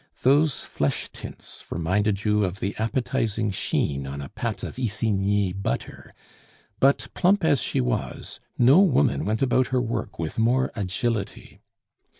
Those flesh tints reminded you of the appetizing sheen on a pat of Isigny butter; but plump as she was, no woman went about her work with more agility.